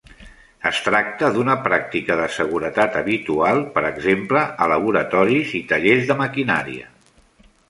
Es tracta d'una pràctica de seguretat habitual, per exemple, a laboratoris i tallers de maquinària.